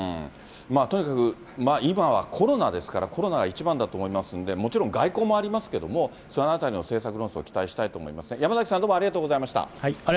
とにかく今はコロナですから、コロナが一番だと思いますから、もちろん外交もありますけど、そのあたりの政策論争を期待したいと思いますが、山崎さん、どうありがとうございました。